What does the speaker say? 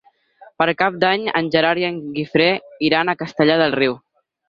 Per Cap d'Any en Gerard i en Guifré iran a Castellar del Riu.